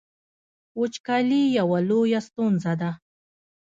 وچکالي یوه لویه ستونزه ده